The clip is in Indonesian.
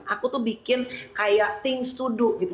aku tuh bikin kayak things to do gitu